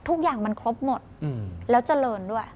ทุกอย่างมันครบหมดแล้วเจริญด้วย